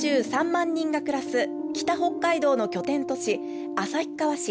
３３万人が暮らす北北海道の拠点都市、旭川市。